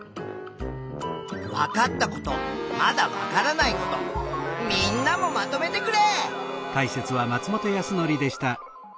わかったことまだわからないことみんなもまとめてくれ！